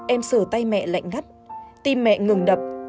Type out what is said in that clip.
em sửa tay mẹ lạnh ngắt tim mẹ ngừng đập